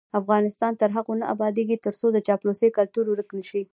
افغانستان تر هغو نه ابادیږي، ترڅو د چاپلوسۍ کلتور ورک نشي.